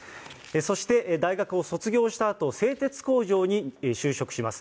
そして、大学を卒業したあと、製鉄工場に就職します。